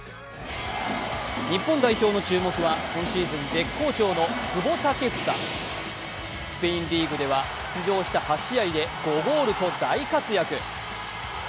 日本代表の注目は今シーズン絶好調の久保建英スペインリーグでは出場した８試合で５ゴールと大活躍。